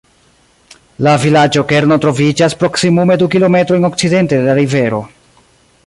La vilaĝo-kerno troviĝas proksimume du kilometrojn okcidente de la rivero.